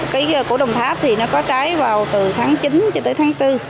cái của đồng tháp thì nó có trái vào từ tháng chín cho tới tháng bốn